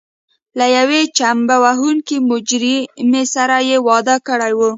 له یوې چمبه وهونکې مجرمې سره یې واده کړی و.